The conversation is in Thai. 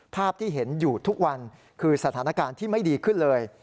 ภาพที่เห็นอยู่ทุกวันคือสถานการณ์ที่ไม่ดีขึ้นเลย